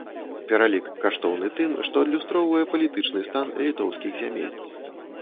Пералік каштоўны тым, што адлюстроўвае палітычны стан літоўскіх зямель.